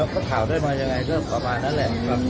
ก็ข่าวได้มายังไงก็ประมาณนั้นแหละ